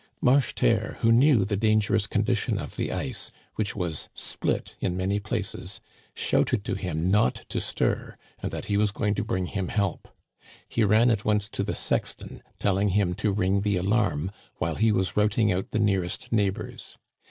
Marcheterre, who knew the dangerous condition of Digitized by VjOOQIC THE BREAKING UP OF THE ICE. 59 the ice, which was split in many places, shouted to him not to stir, and that he was going to bring him help. He ran at once to the sexton, telling him to ring the alarm while he was routing out the nearest neighbors.